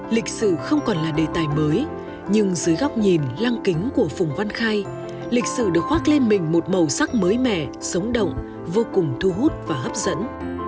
lịch sử không còn là đề tài mới nhưng dưới góc nhìn lăng kính của phùng văn khai lịch sử được khoác lên mình một màu sắc mới mẻ sống động vô cùng thu hút và hấp dẫn